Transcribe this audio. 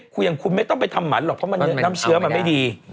คุณคุณมันไม่ต้องทำหมันเพราะมันน้ำเชื้อมาไม่ดี